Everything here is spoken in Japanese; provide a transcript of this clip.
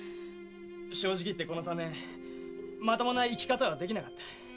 正直いってこの三年まともな生き方はできなかった。